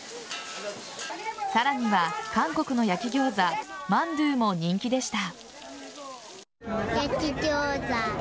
さらには、韓国の焼き餃子マンドゥも人気でした。